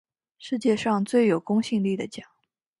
世界上最有公信力的奖